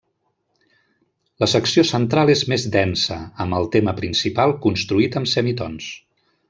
La secció central és més densa, amb el tema principal construït amb semitons.